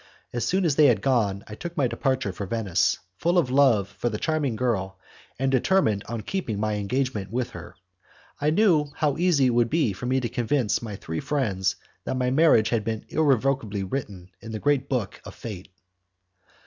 As soon as they had gone I took my departure for Venice, full of love for the charming girl, and determined on keeping my engagement with her. I knew how easy it would be for me to convince my three friends that my marriage had been irrevocably written in the great book of fate.